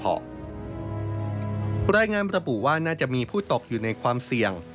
รายงานระบุว่าน่าจะมีผู้ตกอยู่ในความเสี่ยง